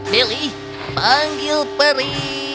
dilly panggil peri